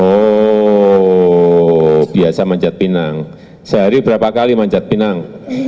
oh biasa manjat pinang sehari berapa kali manjat pinang